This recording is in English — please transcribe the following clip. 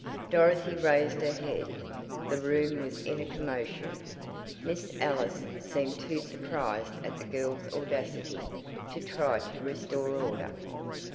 Dorothy raised her head. The room was in a commotion. Miss Ellis seemed too surprised at the girl's audacity to try to restore order.